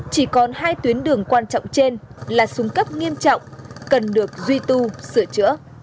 chỉ còn hai tuyến đường quan trọng trên là xuống cấp nghiêm trọng cần được duy tu sửa chữa